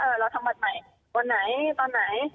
เราทำบัตรใหม่วันไหนตอนไหน